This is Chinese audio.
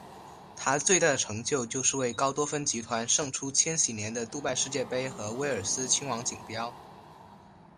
它最大的成就就是为高多芬集团胜出千禧年的杜拜世界杯和威尔斯亲王锦标。